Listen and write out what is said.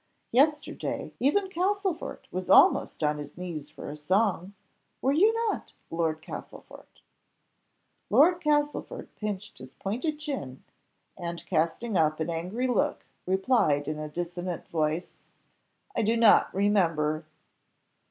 Yesterday, even Castlefort was almost on his knees for a song, were not you, Lord Castlefort?" Lord Castlefort pinched his pointed chin, and casting up an angry look, replied in a dissonant voice, "I do not remember!"